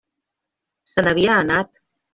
Se n'havia anat.